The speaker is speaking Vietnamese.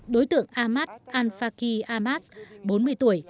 đối tượng ahmad al faqih ahmad bốn mươi tuổi